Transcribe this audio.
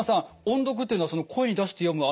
音読っていうのは声に出して読む